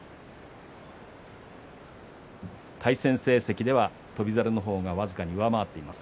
対戦成績では翔猿の方が僅かに上回っています。